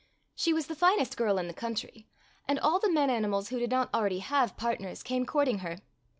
She was the finest girl in the country, and all the men animals who did not already have part ners came courting her.